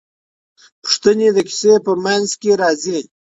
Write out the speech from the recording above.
پوښتنې د کیسې په منځ کې راځي.